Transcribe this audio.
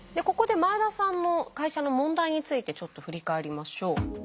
ここで前田さんの会社の問題についてちょっと振り返りましょう。